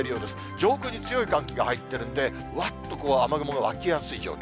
上空に強い寒気が入っているんで、わっと雨雲が湧きやすい状況。